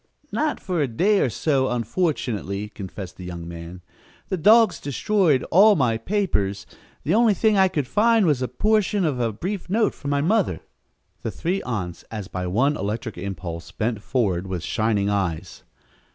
"Not for a day or so, unfortunately," confessed the young man. "The dogs destroyed all my papers. The only thing I could find was a portion of a brief note from my mother." The three aunts, as by one electric impulse, bent forward with shining eyes.